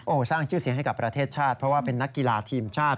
สร้างชื่อเสียงให้กับประเทศชาติเพราะว่าเป็นนักกีฬาทีมชาติ